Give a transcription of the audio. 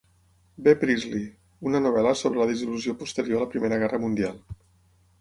B. Priestley, una novel·la sobre la desil·lusió posterior a la Primera Guerra Mundial.